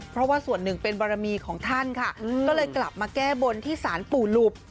เพราะว่าส่วนหนึ่งเป็นบารมีของท่านค่ะก็เลยกลับมาแก้บนที่สารปู่หลุบ